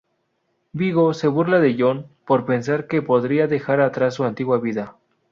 Viggo se burla de John por pensar que podría dejar atrás su antigua vida.